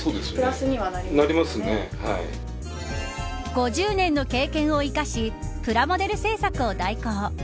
５０年の経験を生かしプラモデル製作を代行。